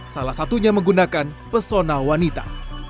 salah satunya menggunakan pesona wanita